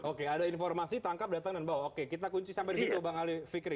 oke ada informasi tangkap datang dan bawa oke kita kunci sampai di situ bang ali fikri